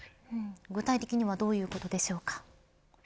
具体的にはどういうことでしょうか。